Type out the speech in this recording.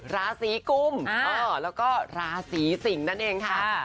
ราศีกุมแล้วก็ราศีสิงนั่นเองค่ะ